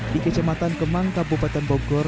di kecematan kemang kabupaten bogor